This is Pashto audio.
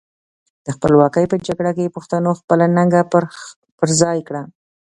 د خپلواکۍ په جګړه کې پښتنو خپله ننګه پر خای کړه.